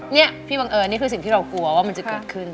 นี่พี่บังเอิญนี่คือสิ่งที่เรากลัวว่ามันจะเกิดขึ้น